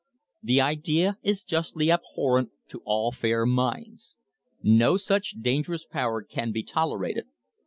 "The idea is justly abhorrent to all fair minds. No such dangerous power can be tolerated.